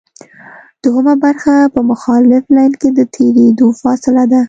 دوهمه برخه په مخالف لین کې د تېرېدو فاصله ده